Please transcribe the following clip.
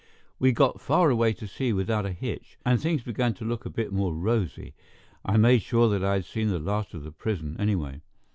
We got far away to sea without a hitch, and things began to look a bit more rosy. I made sure that I had seen the last of the prison, anyway.